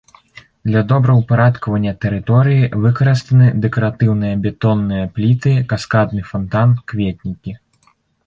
Для добраўпарадкавання тэрыторыі выкарыстаны дэкаратыўныя бетонныя пліты, каскадны фантан, кветнікі.